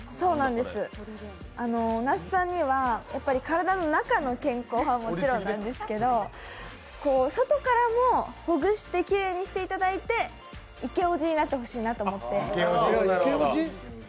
那須さんには体の中の健康はもちろんなんですけど外からもほぐしてきれいにしていただいて、イケオジになってほしいなと思って。